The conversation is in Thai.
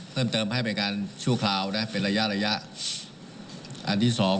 เพิ่มเติมให้เป็นการชั่วคราวนะเป็นระยะระยะอันที่สอง